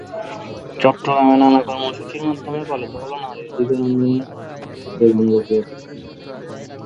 চট্টগ্রামে নানা কর্মসূচির মাধ্যমে পালিত হলো নারী অধিকার আন্দোলনের পথিকৃৎ বেগম রোকেয়া দিবস।